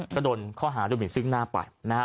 ก็โดนข้อหารุ่นหมินซึ่งหน้าไป